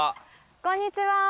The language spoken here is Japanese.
こんにちは！